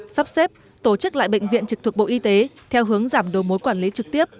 sắp xếp tổ chức lại bệnh viện trực thuộc bộ y tế theo hướng giảm đồ mối quản lý trực tiếp